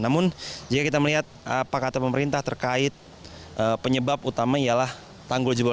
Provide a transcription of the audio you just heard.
namun jika kita melihat apa kata pemerintah terkait penyebab utama ialah tanggul jebol